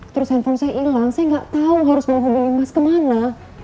terus handphone saya hilang saya gak tahu harus mau hubungi mas kemana